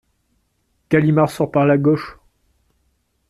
Galimard sort par la gauche.